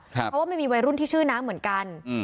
เพราะว่ามันมีวัยรุ่นที่ชื่อน้ำเหมือนกัน